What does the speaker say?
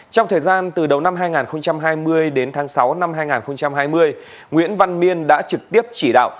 trong thời gian từ đầu năm hai nghìn hai mươi đến tháng sáu năm hai nghìn hai mươi nguyễn văn miên đã trực tiếp chỉ đạo